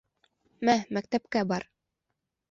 — Мә, мәктәпкә бар.